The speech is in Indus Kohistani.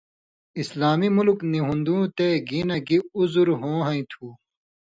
اسلامی مُلک نی ہُون٘دُوں تے گی نہ گی عُذُر ہو ہَیں تُھو۔